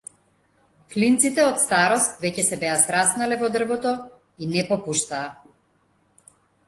Клинците од старост веќе се беа сраснале во дрвото и не попуштаа.